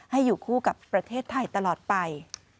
ให้อยู่คู่กับประเทศไทยตลอดไป